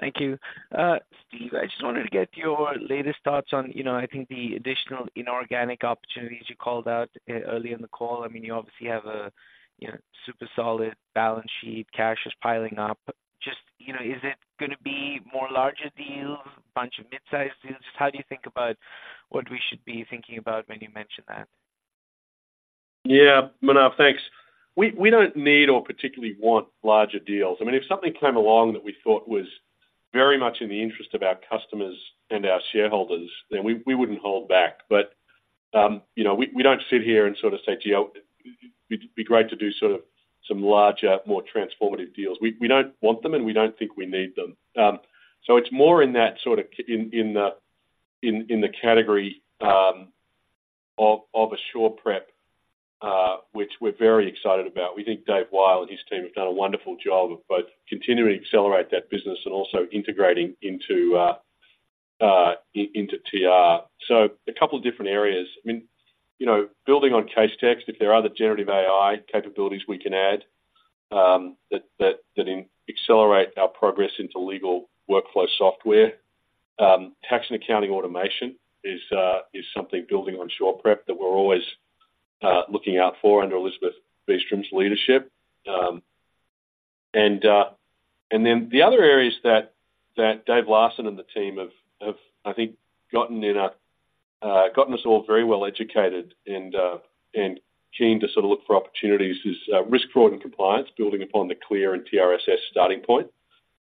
Thank you. Steve, I just wanted to get your latest thoughts on, you know, I think the additional inorganic opportunities you called out early in the call. I mean, you obviously have a, you know, super solid balance sheet, cash is piling up. Just, you know, is it gonna be more larger deals, a bunch of mid-sized deals? Just how do you think about what we should be thinking about when you mention that? Yeah, Manav, thanks. We don't need or particularly want larger deals. I mean, if something came along that we thought was very much in the interest of our customers and our shareholders, then we wouldn't hold back. But, you know, we don't sit here and sort of say, "Geo, it'd be great to do sort of some larger, more transformative deals." We don't want them, and we don't think we need them. So it's more in that sort of category of a SurePrep, which we're very excited about. We think Dave Wyle and his team have done a wonderful job of both continuing to accelerate that business and also integrating into TR. So a couple of different areas. I mean, you know, building on Casetext, if there are other generative AI capabilities we can add that accelerate our progress into legal workflow software. Tax and accounting automation is something building on SurePrep that we're always looking out for under Elizabeth Beastrom's leadership. And then the other areas that Dave Larson and the team have, I think, gotten us all very well educated and keen to sort of look for opportunities is risk, fraud, and compliance, building upon the Clear and TRSS starting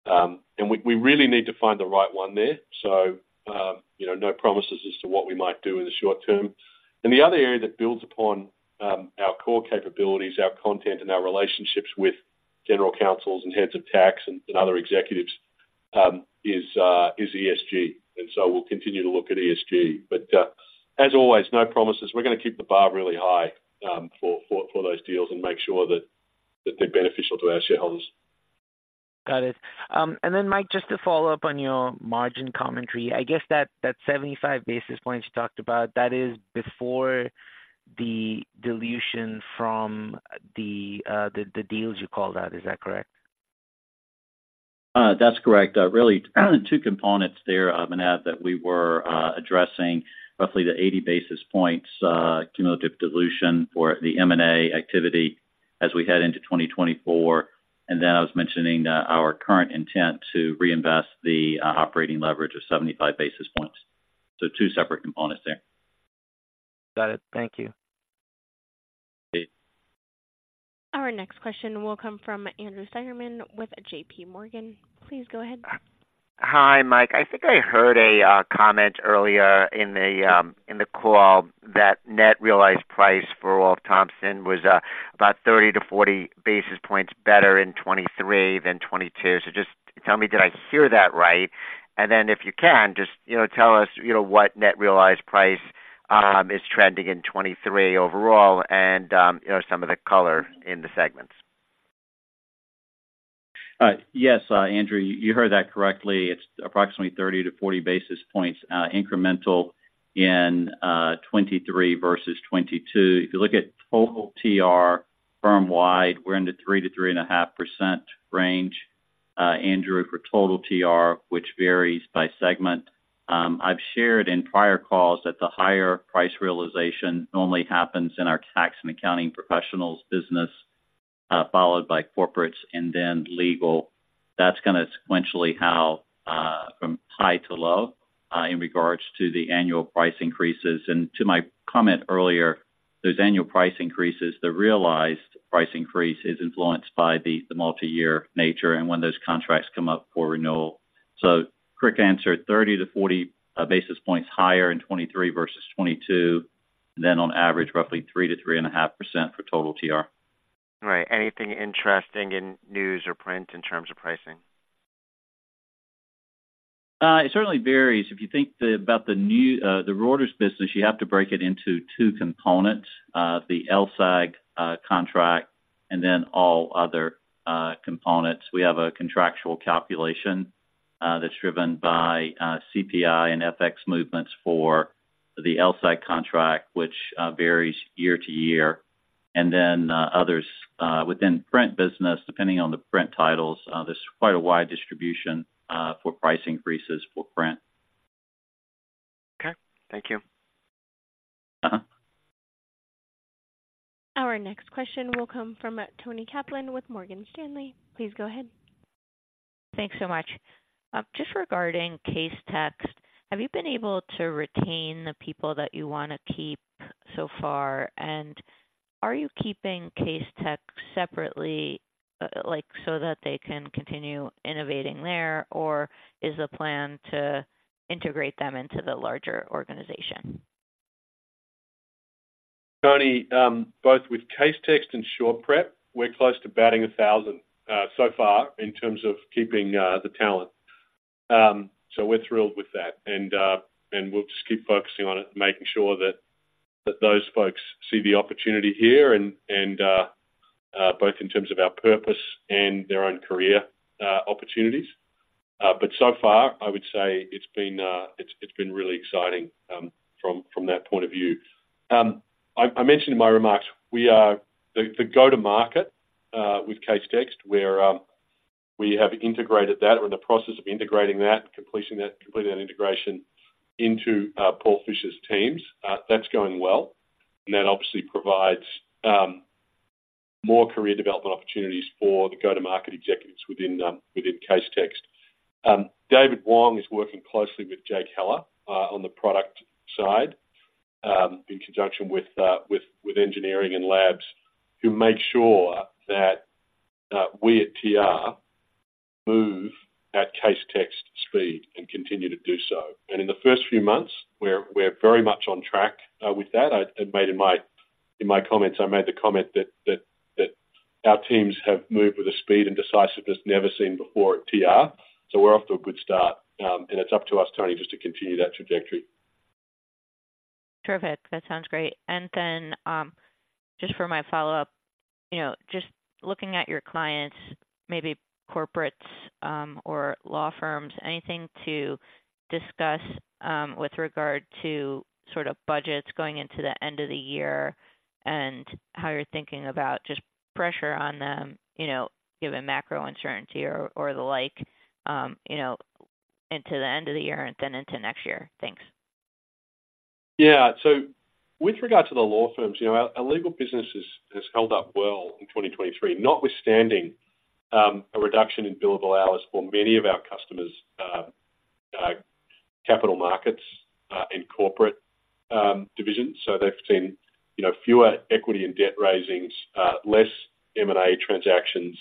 point. We really need to find the right one there. So, you know, no promises as to what we might do in the short term. The other area that builds upon our core capabilities, our content, and our relationships with general counsels and heads of tax and other executives is ESG. So we'll continue to look at ESG. But as always, no promises. We're gonna keep the bar really high for those deals and make sure that they're beneficial to our shareholders. Got it. And then, Mike, just to follow up on your margin commentary, I guess that, that 75 basis points you talked about, that is before the dilution from the, the deals you called out. Is that correct? That's correct. Really, two components there, and add that we were addressing roughly the 80 basis points cumulative dilution for the M&A activity as we head into 2024. And then I was mentioning our current intent to reinvest the operating leverage of 75 basis points. So two separate components there. Got it. Thank you. Okay. Our next question will come from Andrew Steinerman with JP Morgan. Please go ahead. Hi, Mike. I think I heard a comment earlier in the call that net realized price for Thomson Reuters was about 30-40 basis points better in 2023 than 2022. So just tell me, did I hear that right? And then if you can, just, you know, tell us, you know, what net realized price is trending in 2023 overall and, you know, some of the color in the segments. Yes, Andrew, you heard that correctly. It's approximately 30–40 basis points incremental in 2023 versus 2022. If you look at total TR firm-wide, we're in the 3%–3.5% range, Andrew, for total TR, which varies by segment. I've shared in prior calls that the higher price realization normally happens in our tax and accounting professionals business, followed by corporates and then legal. That's kinda sequentially how, from high to low, in regards to the annual price increases. And to my comment earlier, those annual price increases, the realized price increase, is influenced by the multiyear nature and when those contracts come up for renewal. So quick answer, 30–40 basis points higher in 2023 versus 2022, then on average, roughly 3%–3.5% for total TR. Right. Anything interesting in news or print in terms of pricing? It certainly varies. If you think about the new Reuters business, you have to break it into two components, the LSEG contract, and then all other components. We have a contractual calculation that's driven by CPI and FX movements for the LSEG contract, which varies year to year, and then others within print business, depending on the print titles, there's quite a wide distribution for price increases for print. Okay. Thank you. Uh-huh. Our next question will come from Toni Kaplan with Morgan Stanley. Please go ahead. Thanks so much. Just regarding Casetext, have you been able to retain the people that you wanna keep so far? And are you keeping Casetext separately, like, so that they can continue innovating there, or is the plan to integrate them into the larger organization? Toni, both with Casetext and SurePrep, we're close to batting a thousand so far in terms of keeping the talent. So we're thrilled with that, and we'll just keep focusing on it and making sure that those folks see the opportunity here and both in terms of our purpose and their own career opportunities. But so far, I would say it's been, it's been really exciting from that point of view. I mentioned in my remarks, we are the go-to-market with Casetext, where we have integrated that. We're in the process of integrating that, completing that, completing that integration into Paul Fischer's teams. That's going well, and that obviously provides more career development opportunities for the go-to-market executives within Casetext. David Wong is working closely with Jake Heller on the product side in conjunction with engineering and labs to make sure that we at TR move at Casetext speed and continue to do so. And in the first few months, we're very much on track with that. I made in my comments the comment that our teams have moved with a speed and decisiveness never seen before at TR. So we're off to a good start, and it's up to us, Toni, just to continue that trajectory. Perfect. That sounds great. And then, just for my follow-up, you know, just looking at your clients, maybe corporates, or law firms, anything to discuss, with regard to sort of budgets going into the end of the year and how you're thinking about just pressure on them, you know, given macro uncertainty or, or the like, you know, into the end of the year and then into next year? Thanks. Yeah. So with regard to the law firms, you know, our legal business has held up well in 2023, notwithstanding a reduction in billable hours for many of our customers' capital markets and corporate divisions. So they've seen, you know, fewer equity and debt raisings, less M&A transactions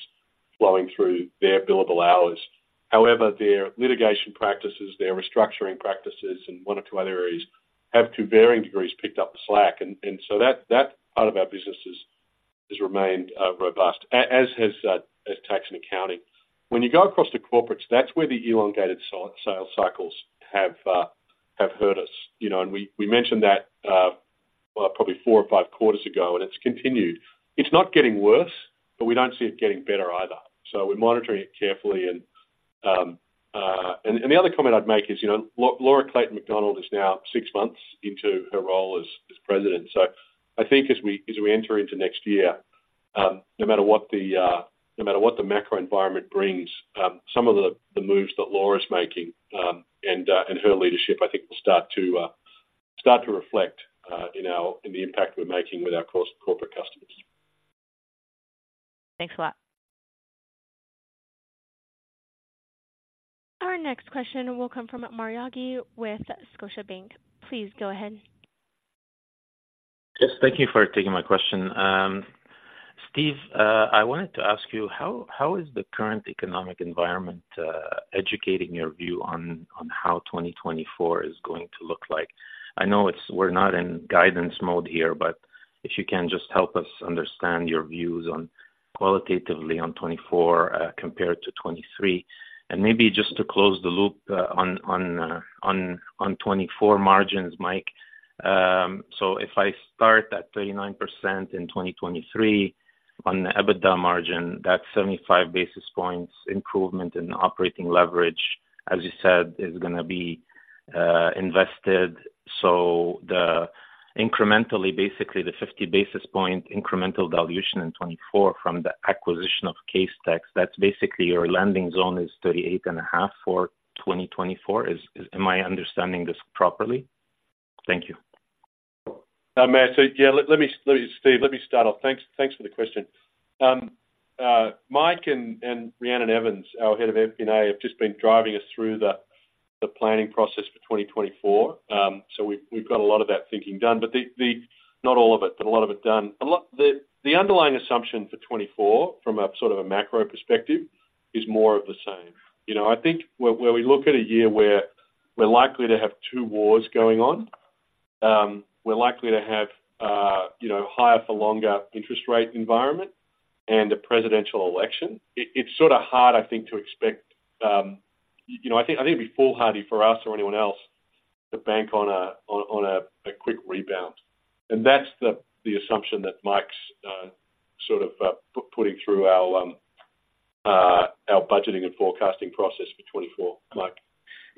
flowing through their billable hours. However, their litigation practices, their restructuring practices and one or two other areas have, to varying degrees, picked up the slack. And so that part of our business has remained robust, as has tax and accounting. When you go across to corporates, that's where the elongated sales cycles have hurt us, you know, and we mentioned that, well, probably four or five quarters ago, and it's continued. It's not getting worse, but we don't see it getting better either. So we're monitoring it carefully. And the other comment I'd make is, you know, Laura Clayton McDonnell is now six months into her role as President. So I think as we enter into next year, no matter what the macro environment brings, some of the moves that Laura's making, and her leadership, I think will start to reflect in the impact we're making with our corporate customers. Thanks a lot. Our next question will come from Maher Yaghi with Scotiabank. Please go ahead. Yes, thank you for taking my question. Steve, I wanted to ask you, how is the current economic environment educating your view on how 2024 is going to look like? I know it's—we're not in guidance mode here, but if you can just help us understand your views on, qualitatively on 2024, compared to 2023. And maybe just to close the loop on 2024 margins, Mike. So if I start at 39% in 2023 on the EBITDA margin, that's 75 basis points improvement in operating leverage, as you said, is gonna be invested. So the incrementally, basically, the 50 basis point incremental dilution in 2024 from the acquisition of Casetext, that's basically your landing zone is 38.5 for 2024. Is—am I understanding this properly? Thank you. Yeah, let me, Steve, let me start off. Thanks for the question. Mike and Rhiannon Evans, our head of FP&A, have just been driving us through the planning process for 2024. So we've got a lot of that thinking done, but not all of it, but a lot of it done. A lot, the underlying assumption for 2024, from a sort of a macro perspective, is more of the same. You know, I think where we look at a year where we're likely to have two wars going on, we're likely to have, you know, higher for longer interest rate environment and a presidential election, it's sort of hard, I think, to expect, you know, I think it'd be foolhardy for us or anyone else to bank on a quick rebound. And that's the assumption that Mike's putting through our budgeting and forecasting process for 2024. Mike?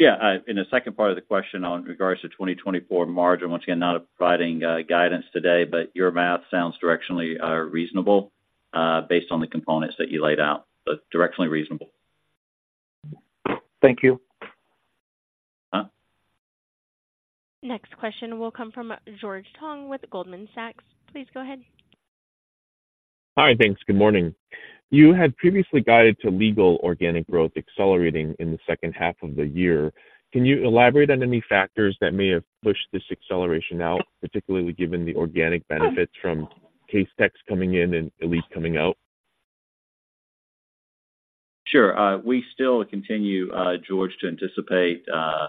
Yeah, in the second part of the question on regards to 2024 margin, once again, not providing guidance today, but your math sounds directionally reasonable based on the components that you laid out, but directionally reasonable. Thank you. Uh. Next question will come from George Tong with Goldman Sachs. Please go ahead. Hi, thanks. Good morning. You had previously guided to Legal organic growth accelerating in the second half of the year. Can you elaborate on any factors that may have pushed this acceleration out, particularly given the organic benefits from Casetext coming in and Elite coming out? Sure. We still continue, George, to anticipate a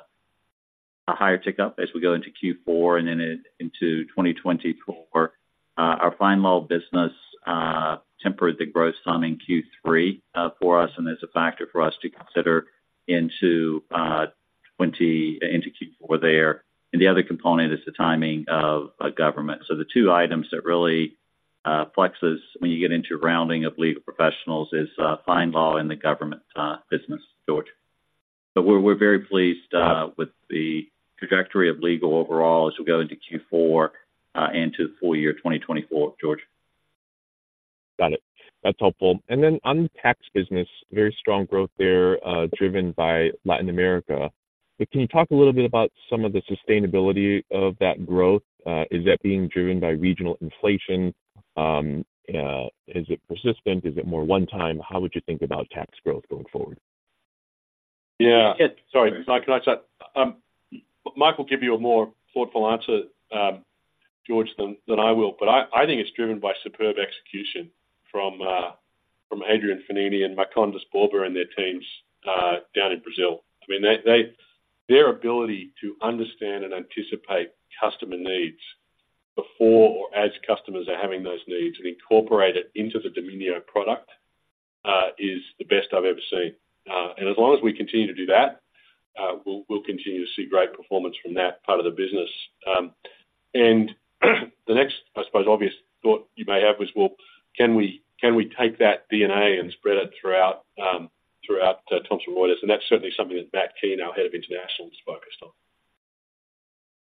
higher tick-up as we go into Q4 and then into 2024. Our FindLaw business tempered the growth some in Q3 for us and is a factor for us to consider into Q4 there, and the other component is the timing of government. So the two items that really flexes when you get into rounding of Legal Professionals is FindLaw and the government business, George. But we're, we're very pleased with the trajectory of legal overall as we go into Q4 and to full year 2024, George. Got it. That's helpful. And then on the tax business, very strong growth there, driven by Latin America. But can you talk a little bit about some of the sustainability of that growth? Is that being driven by regional inflation? Is it persistent? Is it more one time? How would you think about tax growth going forward? Yeah. Sorry, can I start? Mike will give you a more thoughtful answer, George, than I will, but I think it's driven by superb execution from Adrian Fenech and Marcondes Borba and their teams down in Brazil. I mean, they, their ability to understand and anticipate customer needs before or as customers are having those needs and incorporate it into the Domínio product is the best I've ever seen. And as long as we continue to do that, we'll continue to see great performance from that part of the business. And the next, I suppose, obvious thought you may have is, well, can we take that DNA and spread it throughout Thomson Reuters? And that's certainly something that Matt Keene, our head of international, is focused on.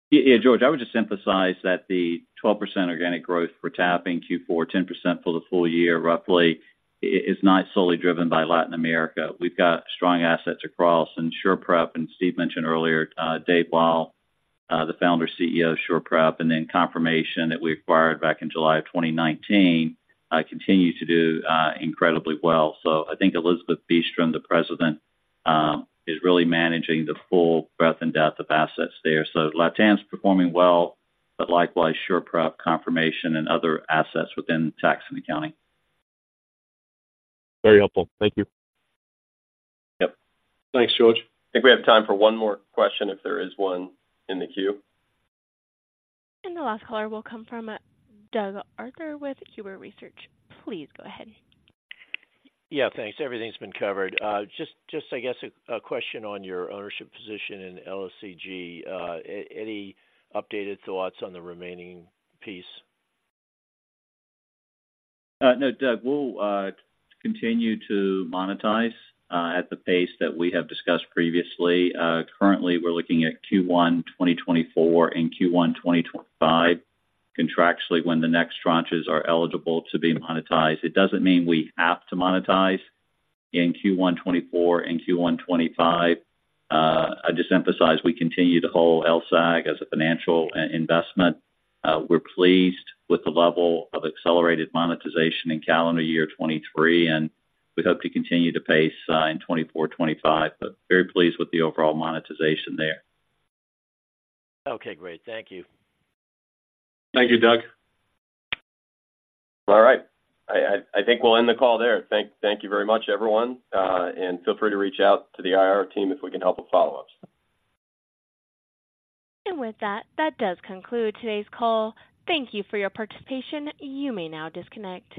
Yeah, yeah, George, I would just emphasize that the 12% organic growth for Tax and Accounting Q4, 10% for the full year, roughly, is not solely driven by Latin America. We've got strong assets across, and SurePrep, and Steve mentioned earlier, Dave Weil, the founder, CEO of SurePrep, and then Confirmation that we acquired back in July of 2019 continue to do incredibly well. So I think Elizabeth Bistrom, the President, is really managing the full breadth and depth of assets there. So Latin is performing well, but likewise, SurePrep, Confirmation, and other assets within tax and accounting. Very helpful. Thank you. Yep. Thanks, George. I think we have time for one more question, if there is one in the queue. The last caller will come from Doug Arthur with Huber Research. Please go ahead. Yeah, thanks. Everything's been covered. Just, I guess, a question on your ownership position in LSEG. Any updated thoughts on the remaining piece? No, Doug, we'll continue to monetize at the pace that we have discussed previously. Currently, we're looking at Q1 2024 and Q1 2025, contractually, when the next tranches are eligible to be monetized. It doesn't mean we have to monetize in Q1 2024 and Q1 2025. I just emphasize, we continue to hold LSEG as a financial investment. We're pleased with the level of accelerated monetization in calendar year 2023, and we hope to continue the pace in 2024, 2025, but very pleased with the overall monetization there. Okay, great. Thank you. Thank you, Doug. All right. I think we'll end the call there. Thank you very much, everyone, and feel free to reach out to the IR team if we can help with follow-ups. With that, that does conclude today's call. Thank you for your participation. You may now disconnect.